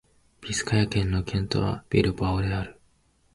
ビスカヤ県の県都はビルバオである